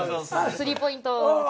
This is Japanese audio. スリーポイントを。